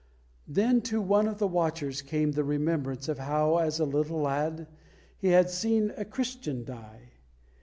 Then to one of the watchers came the remembrance of how, as a little lad, he had seen a Christian die.